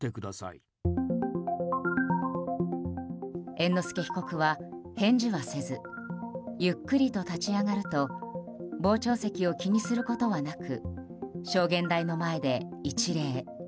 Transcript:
猿之助被告は、返事はせずゆっくりと立ち上がると傍聴席を気にすることはなく証言台の前で一礼。